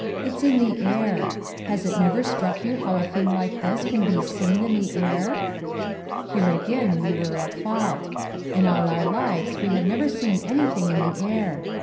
It's in the air. Has it never struck you how a thing like this can be seen in the air?" Here again we were at fault. In all our lives we had never seen anything in the air.